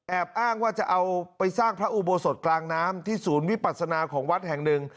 อ้างว่าจะเอาไปสร้างพระอุโบสถกลางน้ำที่ศูนย์วิปัสนาของวัดแห่งหนึ่ง